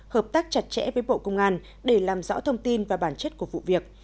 hợp tác chặt chẽ với bộ công an để làm rõ thông tin và bản chất của vụ việc